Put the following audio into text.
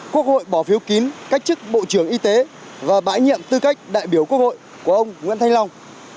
quốc hội bỏ phiếu kín cách chức bộ trưởng y tế và bãi nhiệm tư cách đại biểu quốc hội của ông nguyễn thanh long